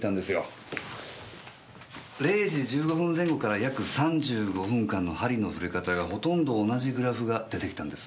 ０時１５分前後から約３５分間の針の振れ方がほとんど同じグラフが出てきたんです。